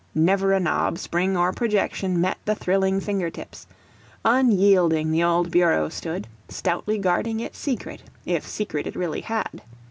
Never a knob, spring or projection met the thrilling finger tips; unyielding the old bureau stood, stoutly guarding its secret, if secret it really had.